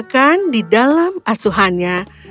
dia akan berada di dalam asuhannya